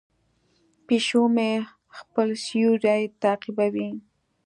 پیشو مې خپل سیوری تعقیبوي.